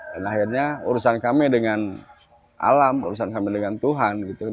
dan akhirnya urusan kami dengan alam urusan kami dengan tuhan gitu kan